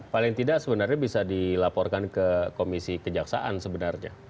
paling tidak sebenarnya bisa dilaporkan ke komisi kejaksaan sebenarnya